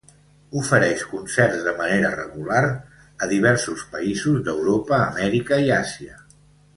Ofereix concerts de manera regular a diversos països d'Europa, Amèrica i Àsia.